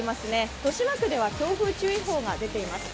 豊島区では強風注意報が出ています。